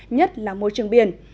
nhất là môi trường biển